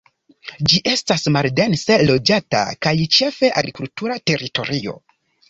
Ĝi estas maldense loĝata kaj ĉefe agrikultura teritorio.